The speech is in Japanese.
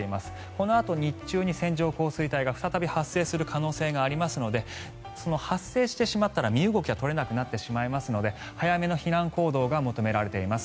このあと日中に線状降水帯が再び発生する可能性がありますので発生してしまったら、身動きが取れなくなってしまうので早めの避難行動が求められています。